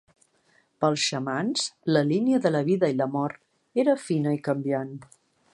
Pels xamans, la línia de la vida i la mort era fina i canviant.